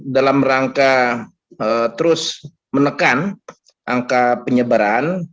dalam rangka terus menekan angka penyebaran